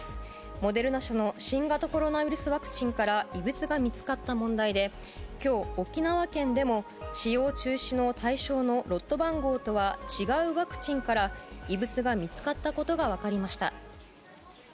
モデルナ社の新型コロナウイルスワクチンから異物が見つかった問題で今日、沖縄県でも使用中止の対象のロット番号とは違うワクチンから異物が見つかったことが分かりました。